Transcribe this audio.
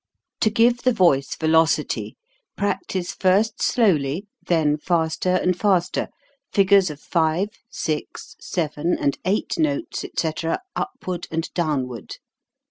To give the voice velocity, practise first slowly, then faster and faster, figures of five, 251 252 HOW TO SING; six, seven, and eight notes, etc., upward and downward.